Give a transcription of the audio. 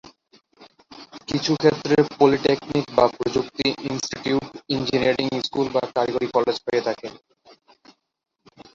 কিছু ক্ষেত্রে, পলিটেকনিক বা প্রযুক্তি ইনস্টিটিউট ইঞ্জিনিয়ারিং স্কুল বা কারিগরি কলেজ হয়ে থাকে।